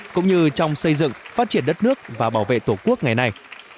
cũng như trong xây dựng phát triển đất nước và bảo vệ tổ quốc ngày nay